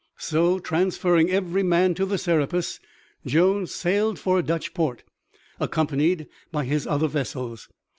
So, transferring every man to the Serapis, Jones sailed for a Dutch port, accompanied by his other vessels.